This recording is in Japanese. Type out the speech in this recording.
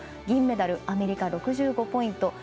銀メダルはアメリカで６５ポイント。